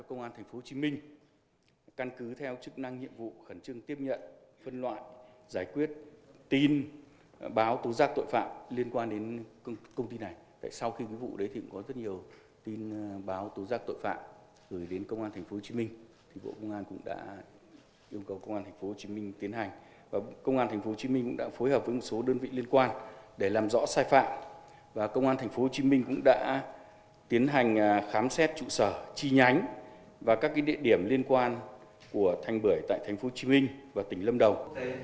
công an tp hcm đã phối hợp với một số đơn vị liên quan để làm rõ sai phạm công an tp hcm cũng đã tiến hành khám xét trụ sở chi nhánh và các địa điểm liên quan của thanh bưởi tại tp hcm và tỉnh lâm đồng